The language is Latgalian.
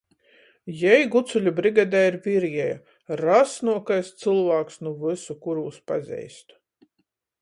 Jei gucuļu brigadei ir virieja — rasnuokais cylvāks nu vysu, kurūs pazeistu!